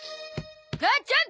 母ちゃん！